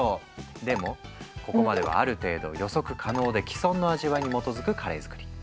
でもここまではある程度予測可能で既存の味わいに基づくカレー作り。